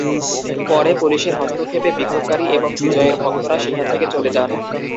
পরে পুলিশের হস্তক্ষেপে বিক্ষোভকারী এবং বিজয়ের ভক্তরা সেখান থেকে চলে যান।